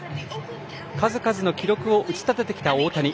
数々の記録を打ち立ててきた大谷。